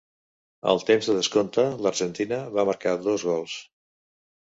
Al temps de descompte, l'Argentina va marcar dos gols.